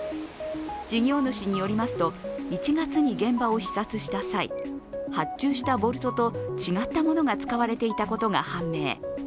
事業主によりますと１月に現場を視察した際、発注したボルトと違ったものが使われていたことが判明。